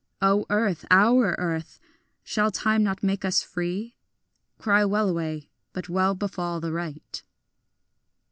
O earth, our earth, shall time not make us free? Cry wellaway, but well befall the right.